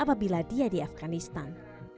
apabila dia di afganistan